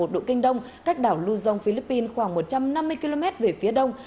một trăm hai mươi bốn một độ kinh đông cách đảo luzon philippines khoảng một trăm năm mươi km về phía đông